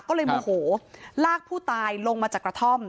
ก็เลยโมโหลากผู้ตายลงมาจากกระท่อม